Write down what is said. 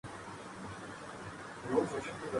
یہ بیانیہ اس ملک کے اصل مسئلے کو مخاطب بناتا ہے۔